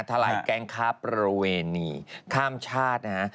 ลายแก๊งค้าประเวณีข้ามชาตินะฮะ